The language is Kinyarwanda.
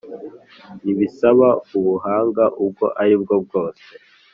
ntibisaba ubuhanga ubwo ari bwo bwose